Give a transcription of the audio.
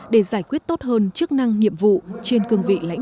để giải quyết tốt hơn chức năng nhiệm vụ trên cường viên